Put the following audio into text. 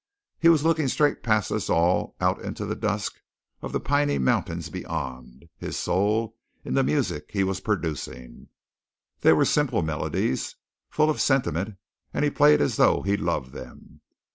He was looking straight past us all out into the dusk of the piney mountains beyond, his soul in the music he was producing. They were simple melodies, full of sentiment, and he played as though he loved them.